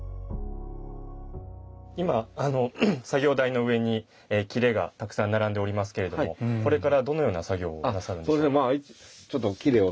今作業台の上に裂がたくさん並んでおりますけれどもこれからどのような作業をなさるんですか？